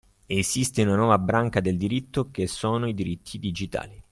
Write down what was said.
Esiste una nuova branca del diritto che sono i diritti digitali